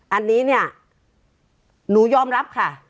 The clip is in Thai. อันนี้เนี่ยหนูยอมรับค่ะ